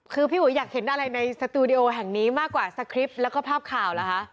คือพี่อุ๋ยอยากเห็นอะไรในสตูดิโอแห่งนี้มากกว่าสคริปต์แล้วก็ภาพข่าวเหรอคะ